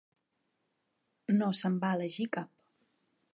No se'n va elegir cap.